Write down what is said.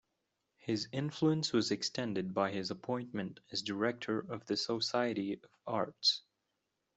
His influence was extended by his appointment as director of the Society of Arts.